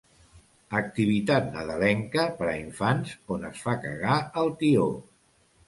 Activitat Nadalenca per a infants on es fa cagar el Tió.